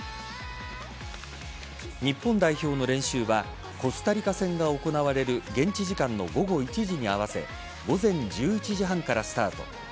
日本代表の練習はコスタリカ戦が行われる現地時間の午後１時に合わせ午前１１時半からスタート。